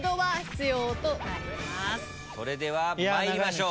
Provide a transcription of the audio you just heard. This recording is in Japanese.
それでは参りましょう。